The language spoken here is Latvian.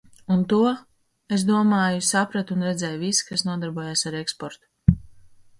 Un to, es domāju, saprata un redzēja visi, kas nodarbojās ar eksportu.